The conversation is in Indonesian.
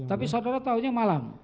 tapi saudara tahunya malam